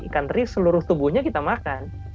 ikan teri seluruh tubuhnya kita makan